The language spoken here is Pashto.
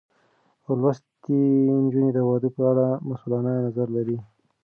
لوستې نجونې د واده په اړه مسؤلانه نظر لري.